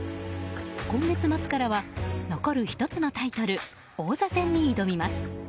今月末からは残る１つのタイトル王座戦に挑みます。